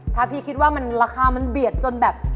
ถ้าพี่คิดว่ามันราคามันเบียดจนแบบ